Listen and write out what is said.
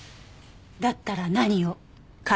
だったら何を？